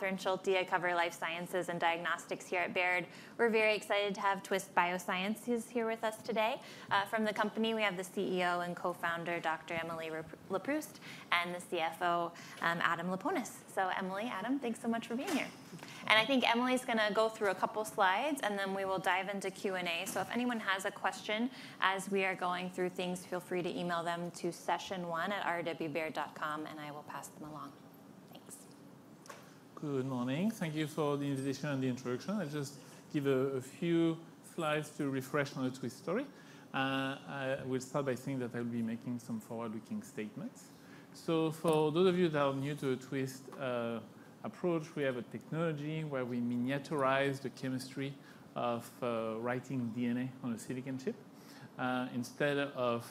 Catherine Schulte, covering Life Sciences and Diagnostics here at Baird. We're very excited to have Twist Bioscience here with us today. From the company, we have the CEO and Co-founder, Dr. Emily Leproust, and the CFO, Adam Laponis. So, Emily, Adam, thanks so much for being here. And I think Emily's going to go through a couple of slides, and then we will dive into Q&A. So if anyone has a question as we are going through things, feel free to email them to session1@rwbaird.com, and I will pass them along. Thanks. Good morning. Thank you for the invitation and the introduction. I'll just give a few slides to refresh on the Twist story. I will start by saying that I'll be making some forward-looking statements, so for those of you that are new to the Twist approach, we have a technology where we miniaturize the chemistry of writing DNA on a silicon chip. Instead of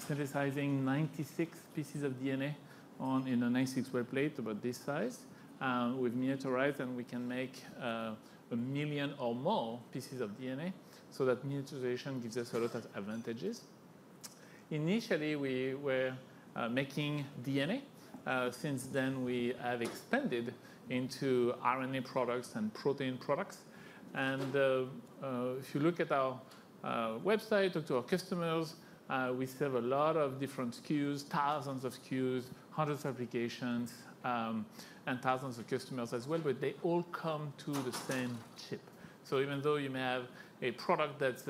synthesizing 96 pieces of DNA on a 96-well plate, about this size, we've miniaturized, and we can make a million or more pieces of DNA, so that miniaturization gives us a lot of advantages. Initially, we were making DNA. Since then, we have expanded into RNA products and protein products, and if you look at our website or to our customers, we serve a lot of different SKUs, thousands of SKUs, hundreds of applications, and thousands of customers as well. But they all come to the same chip. So even though you may have a product that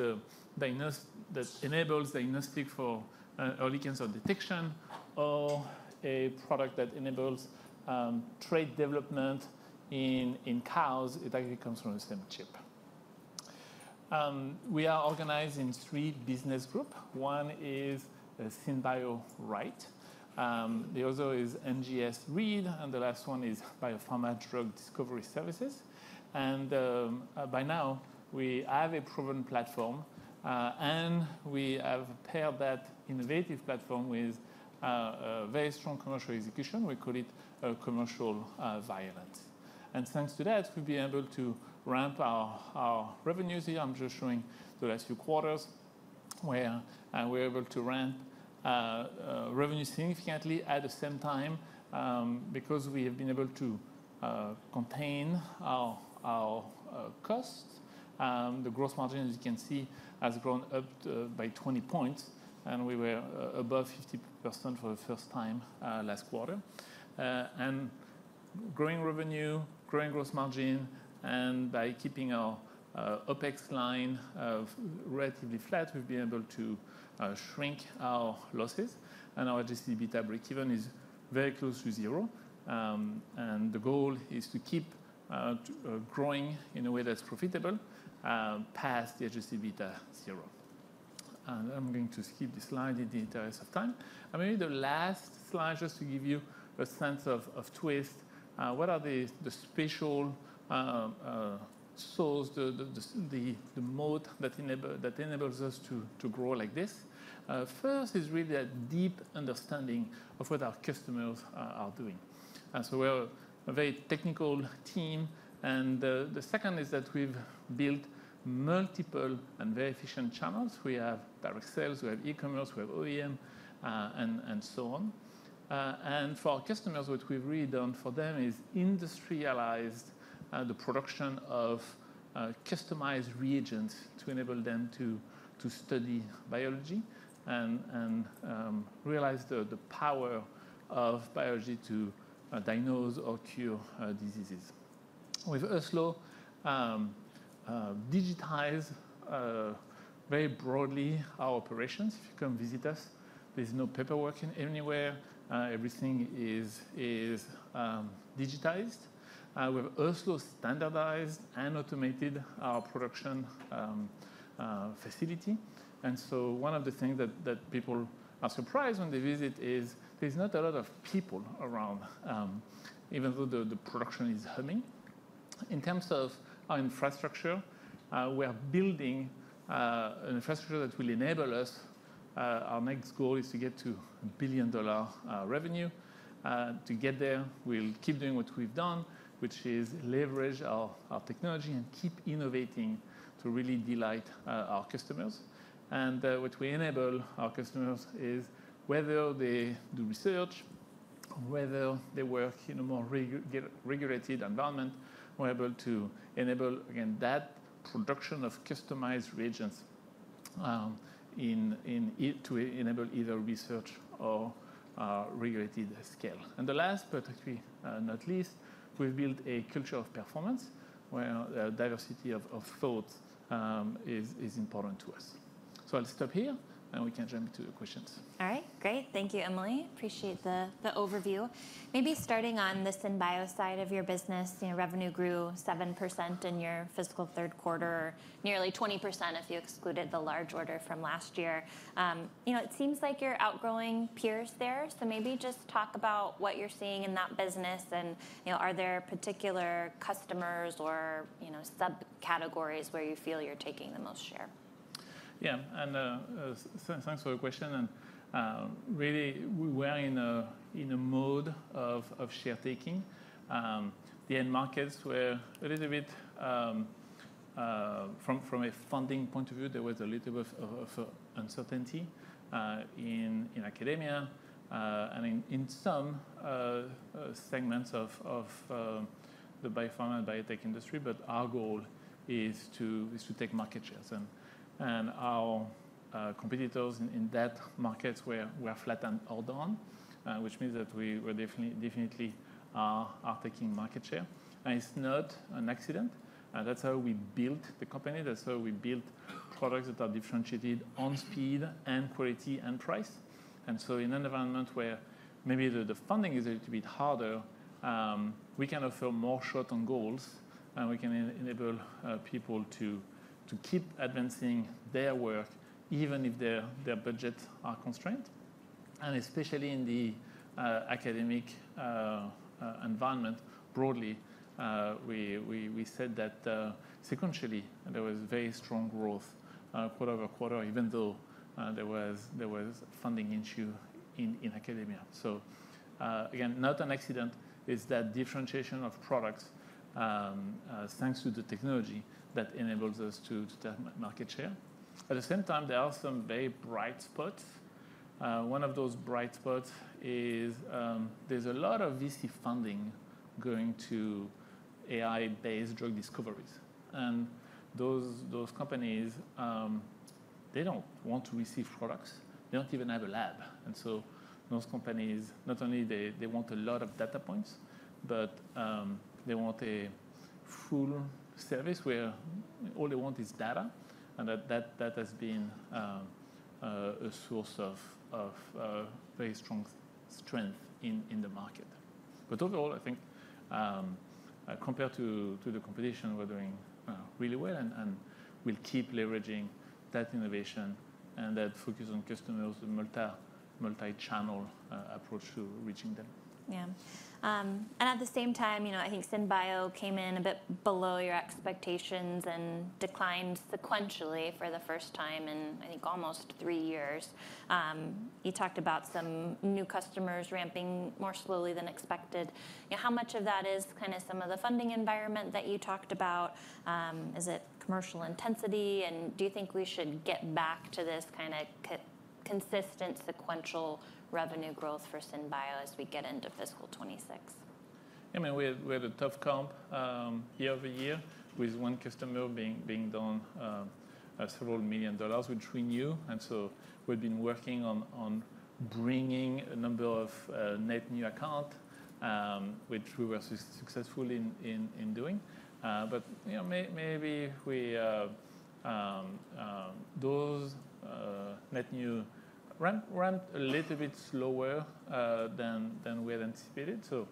enables diagnostic for early cancer detection, or a product that enables trait development in cows, it actually comes from the same chip. We are organized in three business groups. One is SynBio. The other is NGS. And the last one is Biopharma Drug Discovery Services. And by now, we have a proven platform. And we have paired that innovative platform with a very strong commercial execution. We call it commercial violence. And thanks to that, we've been able to ramp our revenues here. I'm just showing the last few quarters where we were able to ramp revenues significantly at the same time because we have been able to contain our costs. The gross margin, as you can see, has grown up by 20 points. And we were above 50% for the first time last quarter. And growing revenue, growing gross margin, and by keeping our OpEx line relatively flat, we've been able to shrink our losses. And our Adjusted EBITDA break-even is very close to zero. And the goal is to keep growing in a way that's profitable past the Adjusted EBITDA zero. And I'm going to skip this slide in the interest of time. And maybe the last slide, just to give you a sense of Twist, what are the special moats that enable us to grow like this? First is really a deep understanding of what our customers are doing. So we're a very technical team. And the second is that we've built multiple and very efficient channels. We have direct sales. We have e-commerce. We have OEM, and so on. For our customers, what we've really down for them is industrialized the production of customized reagents to enable them to study biology and realize the power of biology to diagnose or cure diseases. With us, we have digitized very broadly our operations. If you come visit us, there's no paperwork anywhere. Everything is digitized. We have also standardized and automated our production facility. One of the things that people are surprised when they visit is there's not a lot of people around, even though the production is humming. In terms of our infrastructure, we are building an infrastructure that will enable us. Our next goal is to get to $1 billion revenue. To get there, we'll keep doing what we've down, which is leverage our technology and keep innovating to really delight our customers. And what we enable our customers is, whether they do research or whether they work in a more regulated environment, we're able to enable, again, that production of customized reagents to enable either research or regulated scale. And the last, but actually not least, we've built a culture of performance where diversity of thought is important to us. So I'll stop here, and we can jump into the questions. All right. Great. Thank you, Emily. Appreciate the overview. Maybe starting on the SynBio side of your business, revenue grew 7% in your fiscal third quarter, nearly 20% if you excluded the large order from last year. It seems like you're outgrowing peers there. So maybe just talk about what you're seeing in that business. And are there particular customers or subcategories where you feel you're taking the most share? Yeah. And thanks for the question. And really, we were in a mode of share-taking. The end markets were a little bit, from a funding point of view, there was a little bit of uncertainty in academia and in some segments of the biopharma and biotech industry. But our goal is to take market shares. And our competitors in that markets were flat and all down, which means that we definitely are taking market share. And it's not an accident. That's how we built the company. That's how we built products that are differentiated on speed and quality and price. And so in an environment where maybe the funding is a little bit harder, we can offer more shots on goal. And we can enable people to keep advancing their work, even if their budgets are constrained. And especially in the academic environment broadly, we said that sequentially there was very strong growth quarter over quarter, even though there was a funding issue in academia. So again, not an accident is that differentiation of products, thanks to the technology that enables us to take market share. At the same time, there are some very bright spots. One of those bright spots is there's a lot of VC funding going to AI-based drug discoveries. And those companies, they don't want to receive products. They don't even have a lab. And so those companies, not only do they want a lot of data points, but they want a full service where all they want is data. And that has been a source of very strong strength in the market. But overall, I think compared to the competition, we're doing really well. We'll keep leveraging that innovation and that focus on customers, the multi-channel approach to reaching them. Yeah. And at the same time, I think SynBio came in a bit below your expectations and declined sequentially for the first time in, I think, almost three years. You talked about some new customers ramping more slowly than expected. How much of that is kind of some of the funding environment that you talked about? Is it commercial intensity? And do you think we should get back to this kind of consistent sequential revenue growth for SynBio as we get into fiscal 2026? Yeah. I mean, we had a tough comp year-over-year with one customer being down several million dollars, which we knew. And so we've been working on bringing a number of net new accounts, which we were successful in doing. But maybe those net new ramped a little bit slower than we had anticipated. So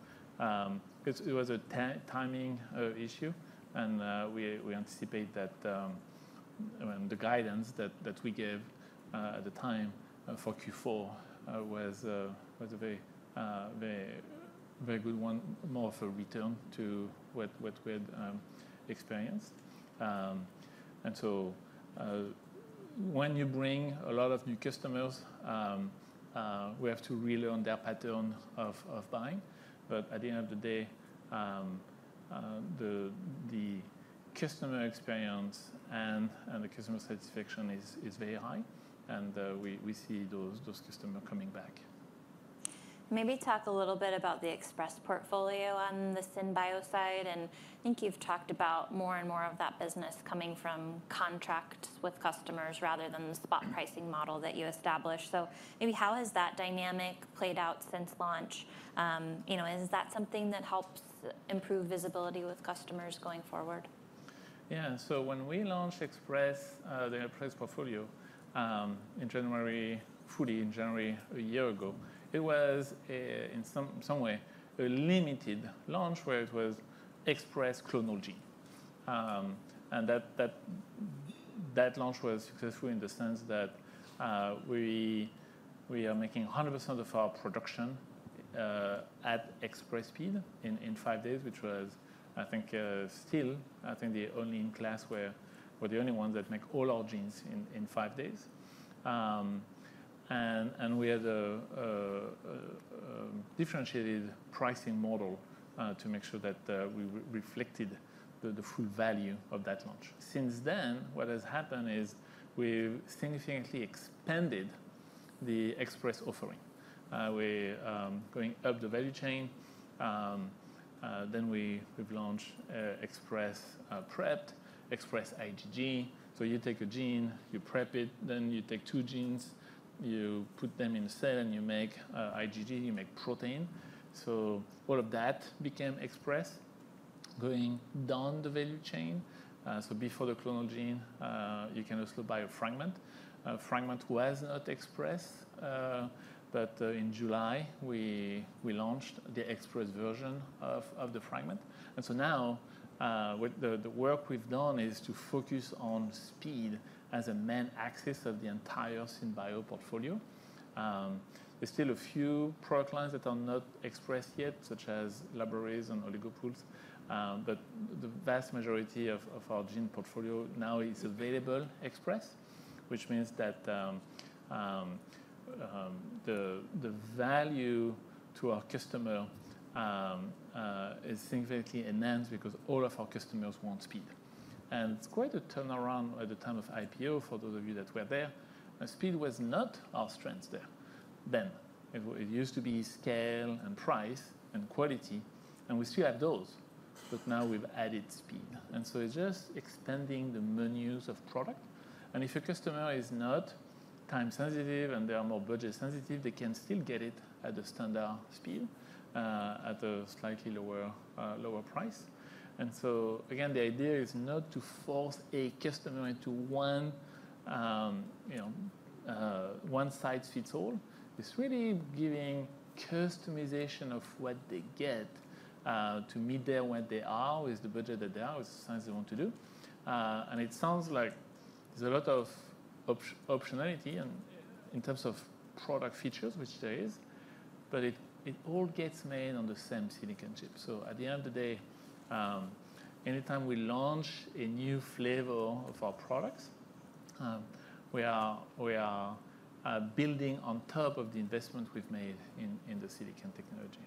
it was a timing issue. And we anticipate that the guidance that we gave at the time for Q4 was a very good one, more of a return to what we had experienced. And so when you bring a lot of new customers, we have to relearn their pattern of buying. But at the end of the day, the customer experience and the customer satisfaction is very high. And we see those customers coming back. Maybe talk a little bit about the express portfolio on the SynBio side. And I think you've talked about more and more of that business coming from contracts with customers rather than the spot pricing model that you established. So maybe how has that dynamic played out since launch? Is that something that helps improve visibility with customers going forward? Yeah. So when we launched the Express Portfolio in January, fully in January a year ago, it was in some way a limited launch where it was Express Genes. And that launch was successful in the sense that we are making 100% of our production at Express speed in five days, which was, I think, still, I think, the only class where we're the only ones that make all our genes in five days. And we had a differentiated pricing model to make sure that we reflected the full value of that launch. Since then, what has happened is we've significantly expanded the Express offering. We're going up the value chain. Then we've launched Express Prep, Express IgG. So you take a gene, you prep it. Then you take two genes, you put them in a cell, and you make IgG. You make protein. So all of that became Express going down the value chain. So before the clonal gene, you can also buy a fragment, a non-Express fragment. But in July, we launched the Express version of the fragment. And so now, the work we've done is to focus on speed as a main axis of the entire Twist Bio portfolio. There's still a few product lines that are not Express yet, such as libraries and oligo pools. But the vast majority of our gene portfolio now is available Express, which means that the value to our customer is significantly enhanced because all of our customers want speed. And it's quite a turnaround at the time of IPO for those of you that were there. And speed was not our strength there. Then it used to be scale and price and quality. And we still have those. But now we've added speed. And so it's just expanding the menu of products. If a customer is not time-sensitive and they are more budget-sensitive, they can still get it at a standard speed at a slightly lower price. So again, the idea is not to force a customer into one size fits all. It's really giving customization of what they get to meet their needs with the budget that they have, with the science they want to do. And it sounds like there's a lot of optionality in terms of product features, which there is. But it all gets made on the same silicon chip. So at the end of the day, anytime we launch a new flavor of our products, we are building on top of the investment we've made in the silicon technology.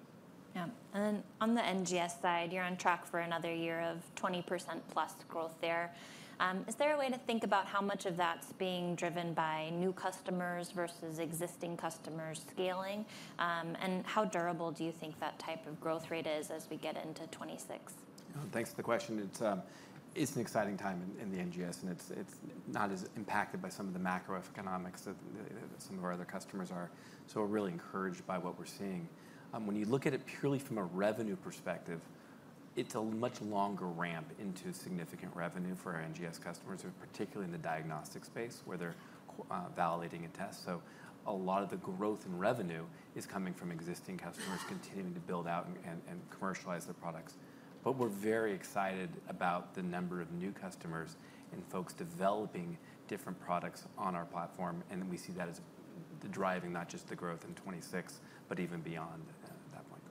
Yeah, and on the NGS side, you're on track for another year of 20%+ growth there. Is there a way to think about how much of that's being driven by new customers versus existing customers scaling? And how durable do you think that type of growth rate is as we get into 2026? Thanks for the question. It's an exciting time in the NGS, and it's not as impacted by some of the macroeconomics that some of our other customers are, so we're really encouraged by what we're seeing. When you look at it purely from a revenue perspective, it's a much longer ramp into significant revenue for our NGS customers, particularly in the diagnostic space where they're validating a test, so a lot of the growth in revenue is coming from existing customers continuing to build out and commercialize their products, but we're very excited about the number of new customers and folks developing different products on our platform, and we see that as driving not just the growth in 2026, but even beyond that point.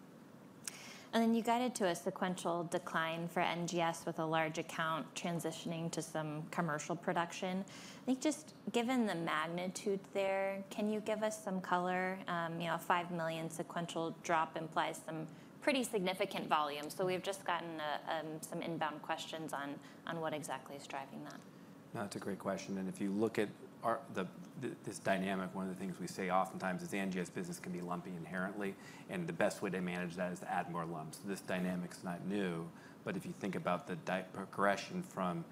And then you guided to a sequential decline for NGS with a large account transitioning to some commercial production. I think just given the magnitude there, can you give us some color? A $5 million sequential drop implies some pretty significant volume. So we've just gotten some inbound questions on what exactly is driving that. That's a great question. And if you look at this dynamic, one of the things we say oftentimes is NGS business can be lumpy inherently. And the best way to manage that is to add more lumps. This dynamic's not new. But if you think about the progression from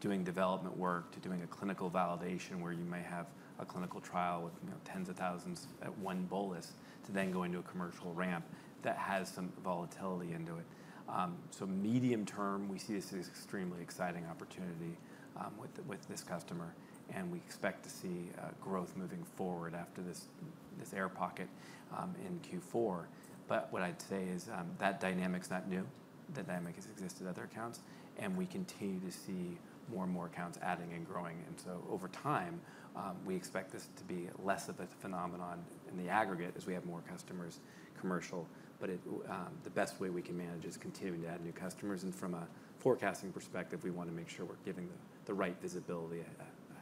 doing development work to doing a clinical validation where you may have a clinical trial with tens of thousands at one bolus to then go into a commercial ramp that has some volatility into it. So medium term, we see this as an extremely exciting opportunity with this customer. And we expect to see growth moving forward after this air pocket in Q4. But what I'd say is that dynamic's not new. That dynamic has existed at other accounts. And we continue to see more and more accounts adding and growing. And so over time, we expect this to be less of a phenomenon in the aggregate as we have more commercial customers. But the best way we can manage is continuing to add new customers. And from a forecasting perspective, we want to make sure we're giving the right visibility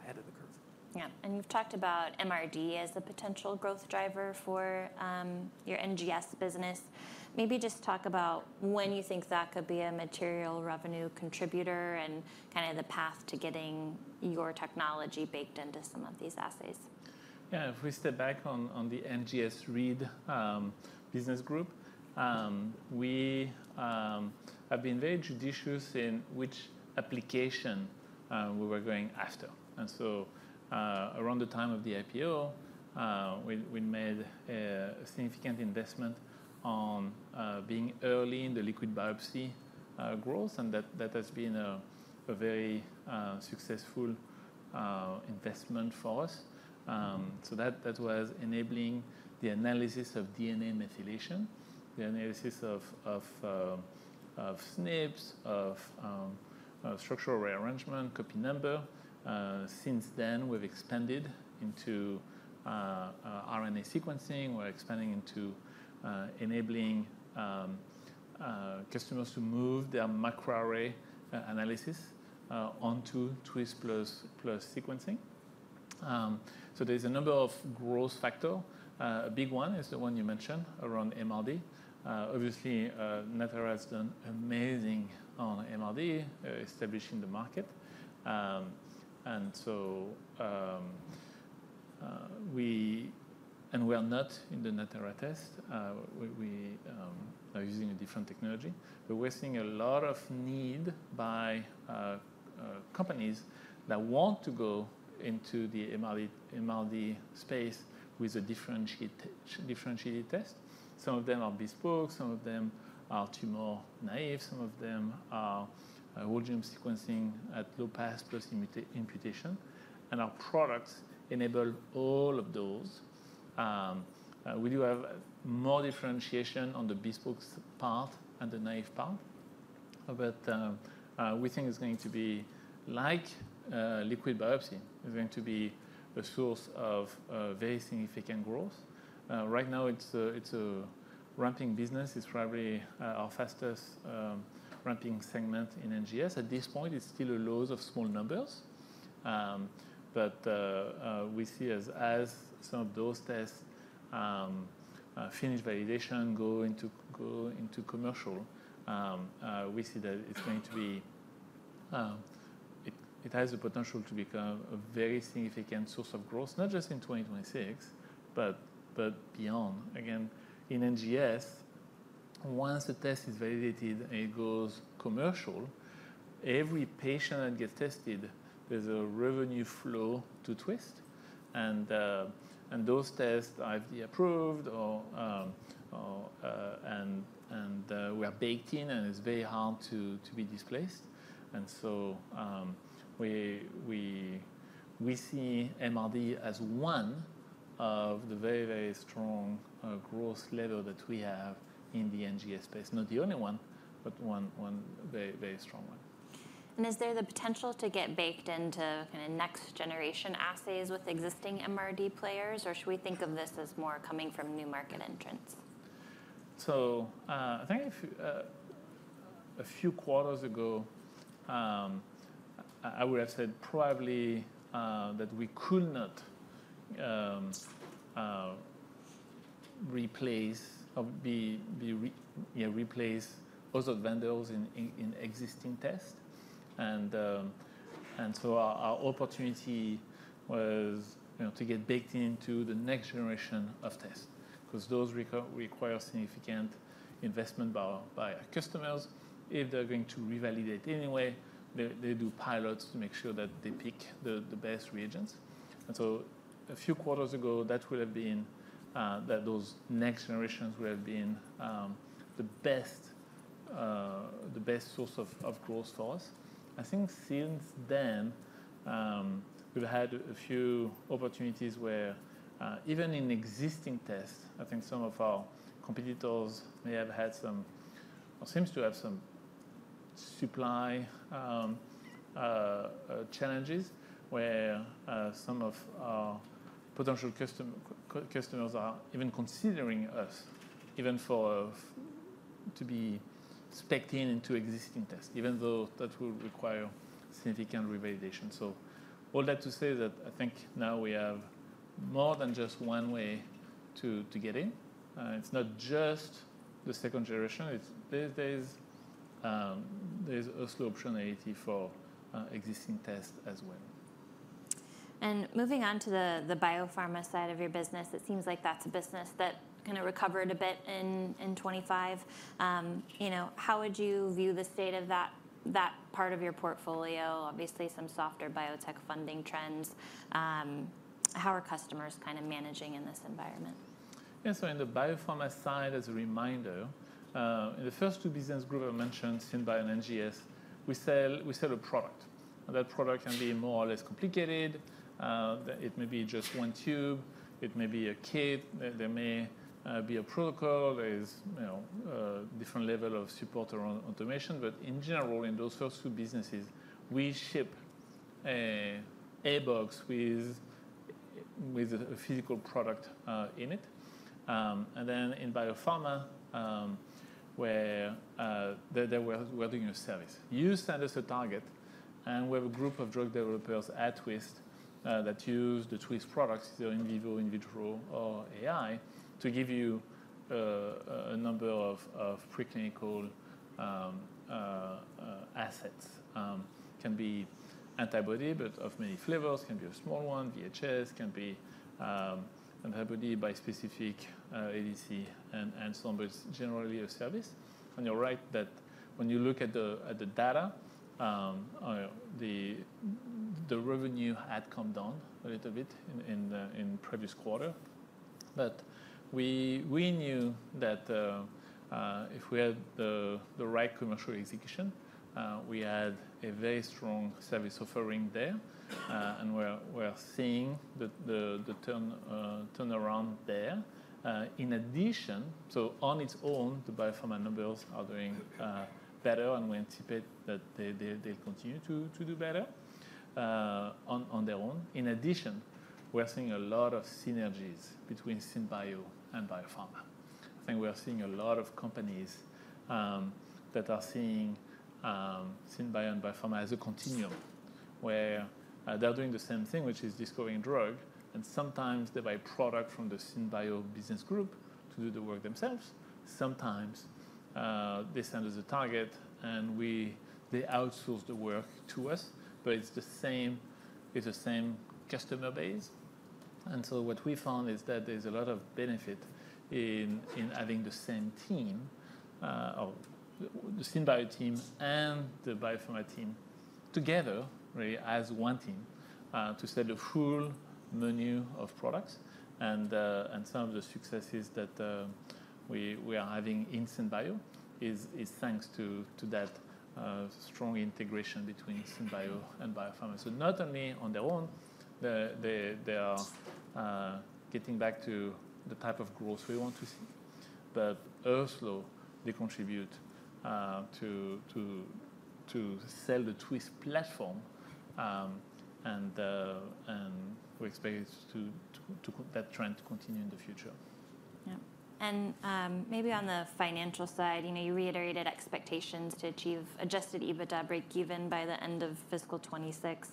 ahead of the curve. Yeah, and you've talked about MRD as a potential growth driver for your NGS business. Maybe just talk about when you think that could be a material revenue contributor and kind of the path to getting your technology baked into some of these assets. Yeah. If we step back on the NGS-based business group, we have been very judicious in which application we were going after. And so around the time of the IPO, we made a significant investment on being early in the liquid biopsy growth. And that has been a very successful investment for us. So that was enabling the analysis of DNA methylation, the analysis of SNPs, of structural rearrangement, copy number. Since then, we've expanded into RNA sequencing. We're expanding into enabling customers to move their microarray analysis onto Twist plus sequencing. So there's a number of growth factors. A big one is the one you mentioned around MRD. Obviously, Natera has done amazing on MRD, establishing the market. And we are not in the Natera test. We are using a different technology. But we're seeing a lot of need by companies that want to go into the MRD space with a differentiated test. Some of them are bespoke. Some of them are tumor naive. Some of them are whole genome sequencing at low pass plus imputation. And our products enable all of those. We do have more differentiation on the bespoke part and the tumor naive part. But we think it's going to be like liquid biopsy. It's going to be a source of very significant growth. Right now, it's a ramping business. It's probably our fastest ramping segment in NGS. At this point, it's still a law of small numbers. But we see as some of those tests finish validation, go into commercial, we see that it's going to be it has the potential to become a very significant source of growth, not just in 2026, but beyond. Again, in NGS, once the test is validated and it goes commercial, every patient that gets tested, there's a revenue flow to Twist, and those tests are FDA approved, and we are baked in, and it's very hard to be displaced, and so we see MRD as one of the very, very strong growth levers that we have in the NGS space. Not the only one, but one very, very strong one. Is there the potential to get baked into kind of next-generation assays with existing MRD players? Or should we think of this as more coming from new market entrants? So I think a few quarters ago, I would have said probably that we could not replace other vendors in existing tests. And so our opportunity was to get baked into the next generation of tests because those require significant investment by our customers. If they're going to revalidate anyway, they do pilots to make sure that they pick the best reagents. And so a few quarters ago, that would have been those next generations would have been the best source of growth for us. I think since then, we've had a few opportunities where even in existing tests, I think some of our competitors may have had some or seem to have some supply challenges where some of our potential customers are even considering us even to be spec'd in into existing tests, even though that will require significant revalidation. So all that to say is that I think now we have more than just one way to get in. It's not just the second generation. There's also optionality for existing tests as well. Moving on to the biopharma side of your business, it seems like that's a business that kind of recovered a bit in 2025. How would you view the state of that part of your portfolio? Obviously, some softer biotech funding trends. How are customers kind of managing in this environment? Yeah. So in the biopharma side, as a reminder, in the first two business groups I mentioned, SynBio and NGS, we sell a product. And that product can be more or less complicated. It may be just one tube. It may be a kit. There may be a protocol. There is a different level of support around automation. But in general, in those first two businesses, we ship a box with a physical product in it. And then in biopharma, where we're doing a service, you send us a target. And we have a group of drug developers at Twist that use the Twist products, either in vivo, in vitro, or AI, to give you a number of preclinical assets. It can be antibody, but of many flavors. It can be a small one, VHH. It can be antibody, bispecific ADC and so on. But it's generally a service. One thing that when you look at the data, the revenue had come down a little bit in the previous quarter. But we knew that if we had the right commercial execution, we had a very strong service offering there. And we're seeing the turnaround there. In addition, so on its own, the Biopharma numbers are doing better. And we anticipate that they'll continue to do better on their own. In addition, we're seeing a lot of synergies between SynBio and Biopharma. I think we're seeing a lot of companies that are seeing SynBio and Biopharma as a continuum where they're doing the same thing, which is discovering drug. And sometimes they buy product from the SynBio business group to do the work themselves. Sometimes they send us a target. And they outsource the work to us. But it's the same customer base. And so what we found is that there's a lot of benefit in having the same team, the SynBio team and the Biopharma team together as one team to sell the full menu of products. And some of the successes that we are having in SynBio is thanks to that strong integration between SynBio and Biopharma. So not only on their own, they are getting back to the type of growth we want to see. But also they contribute to sell the Twist platform. And we expect that trend to continue in the future. Yeah. And maybe on the financial side, you reiterated expectations to achieve Adjusted EBITDA break-even by the end of fiscal 2026.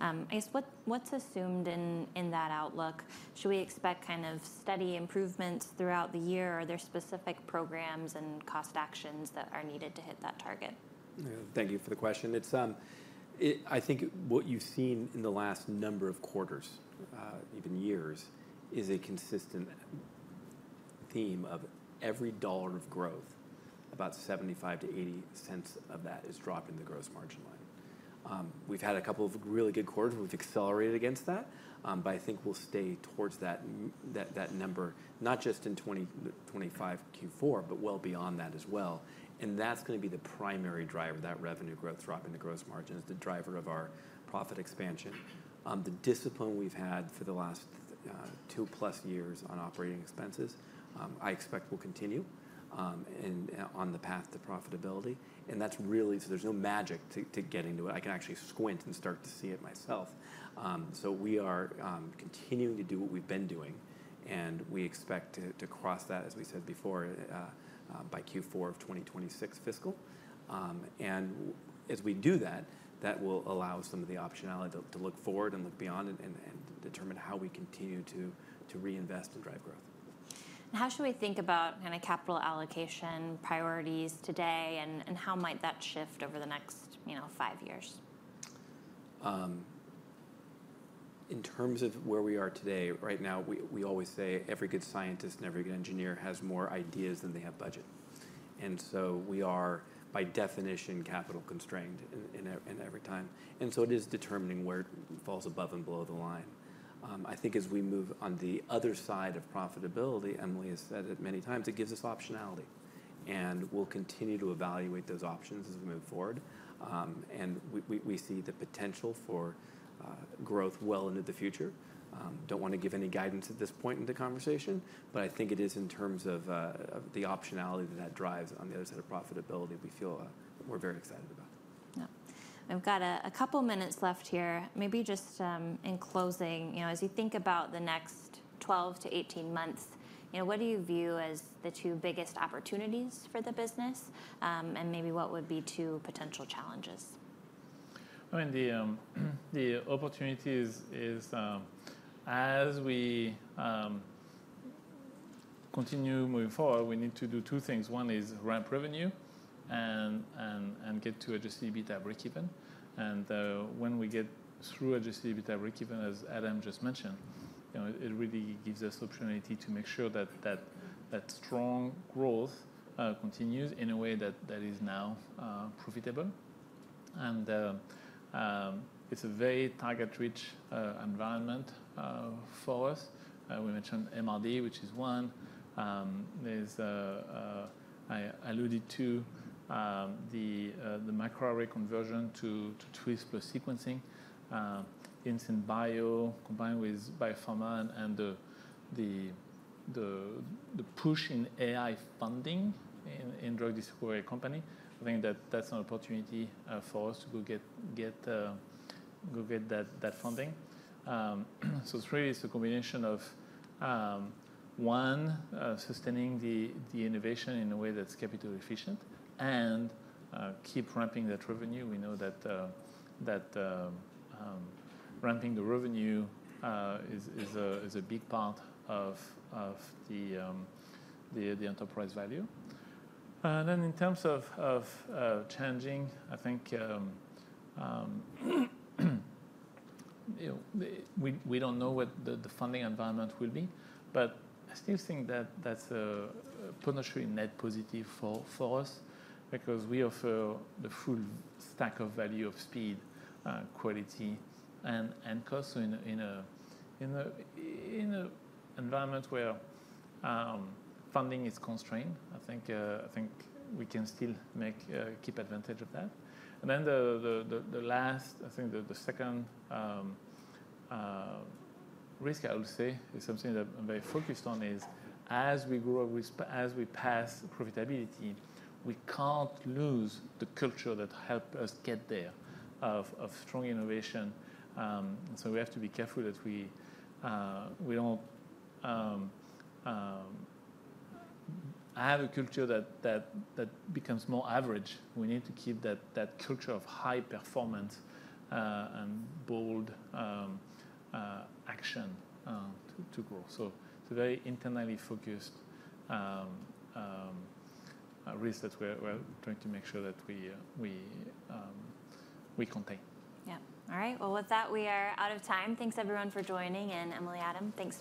I guess what's assumed in that outlook? Should we expect kind of steady improvements throughout the year? Are there specific programs and cost actions that are needed to hit that target? Thank you for the question. I think what you've seen in the last number of quarters, even years, is a consistent theme of every dollar of growth, about $0.75-$0.80 of that is dropping the gross margin line. We've had a couple of really good quarters. We've accelerated against that, but I think we'll stay towards that number, not just in 2025 Q4, but well beyond that as well, and that's going to be the primary driver of that revenue growth, dropping the gross margins, the driver of our profit expansion. The discipline we've had for the last two-plus years on operating expenses, I expect will continue on the path to profitability, and that's really so there's no magic to getting to it. I can actually squint and start to see it myself, so we are continuing to do what we've been doing. We expect to cross that, as we said before, by Q4 of 2026 fiscal. As we do that, that will allow some of the optionality to look forward and look beyond and determine how we continue to reinvest and drive growth. How should we think about kind of capital allocation priorities today? How might that shift over the next five years? In terms of where we are today, right now, we always say every good scientist and every good engineer has more ideas than they have budget, and so we are, by definition, capital constrained in every time, and so it is determining where it falls above and below the line. I think as we move on the other side of profitability, Emily has said it many times, it gives us optionality, and we'll continue to evaluate those options as we move forward, and we see the potential for growth well into the future. I don't want to give any guidance at this point in the conversation, but I think it is in terms of the optionality that that drives on the other side of profitability, we feel we're very excited about. Yeah. We've got a couple of minutes left here. Maybe just in closing, as you think about the next 12 to 18 months, what do you view as the two biggest opportunities for the business? And maybe what would be two potential challenges? I mean, the opportunity is, as we continue moving forward, we need to do two things. One is ramp revenue and get to Adjusted EBITDA break-even. And when we get through Adjusted EBITDA break-even, as Adam just mentioned, it really gives us optionality to make sure that strong growth continues in a way that is now profitable. It's a very target-rich environment for us. We mentioned MRD, which is one. I alluded to the microarray conversion to Twist plus sequencing in SynBio, combined with Biopharma and the push in AI funding in drug discovery company. I think that that's an opportunity for us to go get that funding. It's really a combination of, one, sustaining the innovation in a way that's capital efficient and keep ramping that revenue. We know that ramping the revenue is a big part of the enterprise value. And then in terms of changing, I think we don't know what the funding environment will be. But I still think that that's a potentially net positive for us because we offer the full stack of value of speed, quality, and cost. So in an environment where funding is constrained, I think we can still keep advantage of that. And then the last, I think the second risk, I would say, is something that I'm very focused on, is as we grow, as we pass profitability, we can't lose the culture that helped us get there of strong innovation. And so we have to be careful that we don't have a culture that becomes more average. We need to keep that culture of high performance and bold action to grow. So it's a very internally focused risk that we're trying to make sure that we contain. Yeah. All right. Well, with that, we are out of time. Thanks, everyone, for joining. And Emily, Adam, thank you.